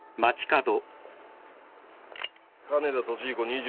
金田俊彦２２歳。